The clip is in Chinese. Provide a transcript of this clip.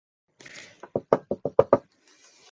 中华全国总工会向孟二冬颁发了全国五一劳动奖章。